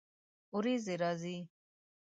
ورېځې راځي